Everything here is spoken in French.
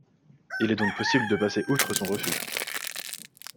Il est donc possible de passer outre son refus.